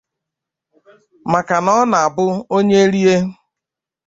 maka na ọ na-abụ onye rie